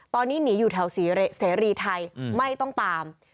ตอนนี้หนีอยู่แถวเสรีไทยไม่ต้องตาม